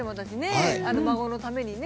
孫のためにね。